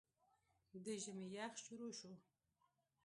د ژمي يخ شورو شو